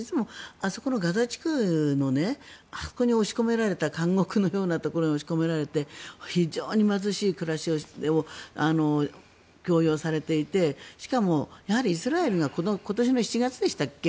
あそこのガザ地区に押し込められて監獄のようなところに押し込められて非常に貧しい暮らしを強要されていてしかもイスラエルが今年の７月でしたっけ